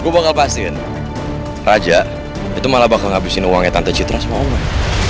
gue bakal pastiin raja itu malah bakal ngabisin uangnya tante citra sama omah